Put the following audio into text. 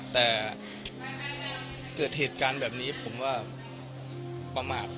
แต่เกิดเหตุการณ์แบบนี้ผมว่าประมาท